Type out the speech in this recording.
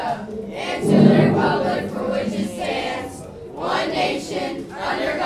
safari ya kwanza ya titanic ilikuwa mbaya zaidi katika historia